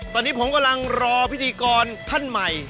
ตอนนี้ผมกำลังรอพิธีกรท่านใหม่